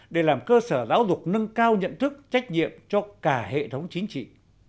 để làm cơ sở giáo dục nâng cao nhận thức trách nhiệm cho cả hệ thống chính trị